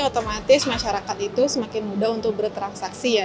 otomatis masyarakat itu semakin mudah untuk bertransaksi ya